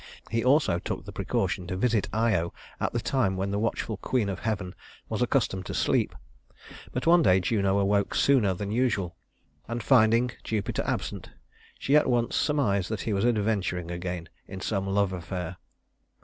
He also took the precaution to visit Io at the time when the watchful queen of heaven was accustomed to sleep; but one day Juno awoke sooner than usual, and finding Jupiter absent, she at once surmised that he was adventuring again in some love affair.